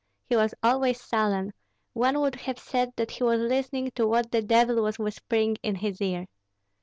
He was always sullen; one would have said that he was listening to what the devil was whispering in his ear.